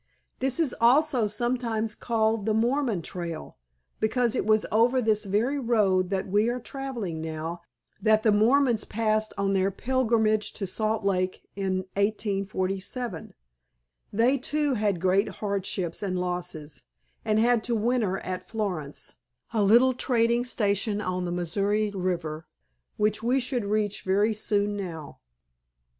This is also sometimes called the 'Mormon Trail,' because it was over this very road that we are traveling now that the Mormons passed on their pilgrimage to Salt Lake in 1847. They, too, had great hardships and losses, and had to winter at Florence, a little trading station on the Missouri River, which we should reach very soon now."